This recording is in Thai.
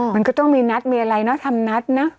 มันก็ต้องมีนัดมีอะไรเนาะทำนัดเนอะ